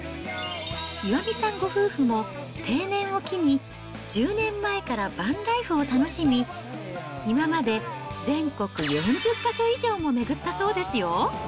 岩見さんご夫婦も、定年を機に、１０年前からバンライフを楽しみ、今まで全国４０か所以上も巡ったそうですよ。